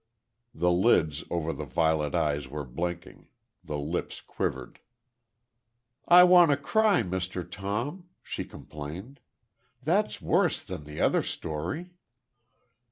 The lids over the violet eyes were blinking; the lips quivered. "I want to cry, Mr. Tom," she complained. "That's worse than the other story!"